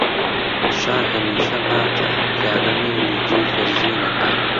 شا هەمیشە ماتە، پیادە مەیلی جێی فەرزین ئەکا